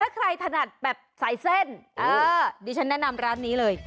ถ้าใครถนัดแบบสายเส้นดิฉันแนะนำร้านนี้เลย